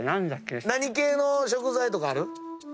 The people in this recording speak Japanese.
何系の食材とかある？